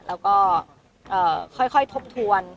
แล้วก็ค่อยทบทวน